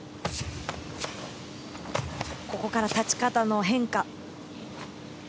ここから立ち方の変化。